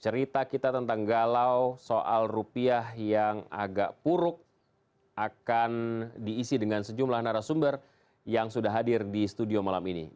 cerita kita tentang galau soal rupiah yang agak puruk akan diisi dengan sejumlah narasumber yang sudah hadir di studio malam ini